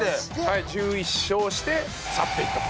１１勝して去っていったと。